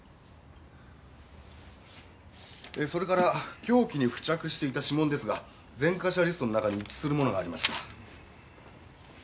それから凶器に付着していた指紋ですが前科者リストの中に一致するものがありました。